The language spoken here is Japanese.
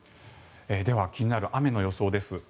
では気になる雨の予想です。